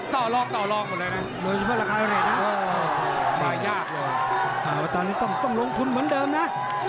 ต่อรองหมดแล้วตอนนี้ต้องลงทุนเหมือนเดิมนะ